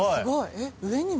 えっ上にも？